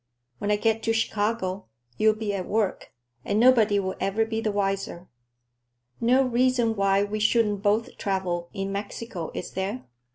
When I get to Chicago, you'll be at work, and nobody will ever be the wiser. No reason why we shouldn't both travel in Mexico, is there?